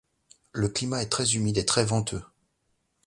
Le climat est très humide et très venteux.